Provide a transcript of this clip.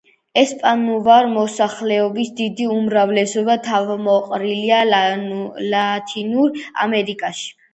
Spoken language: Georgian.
ესპანურენოვანი მოსახლეობის დიდი უმრავლესობა თავმოყრილია ლათინურ ამერიკაში.